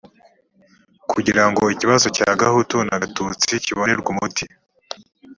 kugirango ikibazo cya gahutu na gatutsi kibonerwe umuti